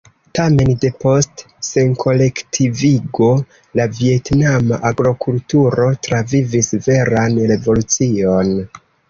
Tamen, depost senkolektivigo, la vjetnama agrokulturo travivis veran revolucion.